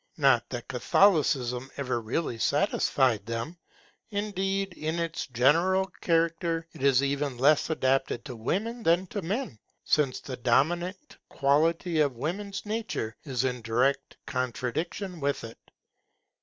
Not that Catholicism ever really satisfied them; indeed in its general character it is even less adapted to women than to men, since the dominant quality of woman's nature is in direct contradiction with it.